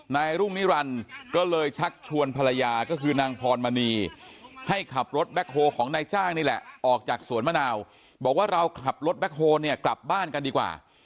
นายรุ่งนิรันดิ์ก็เลยชักชวนภรรยาก็คือนางพรมณีให้ขับรถแบ็คโฮของนายจ้างนี่แหละออกจากสวนมะนาวบอกว่าเราขับรถแบ็คโฮลเนี่ยกลับบ้านกันดีกว่า